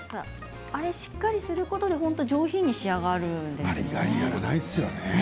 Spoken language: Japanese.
あれをしっかりすることで本当に上品に仕上がるんですよね。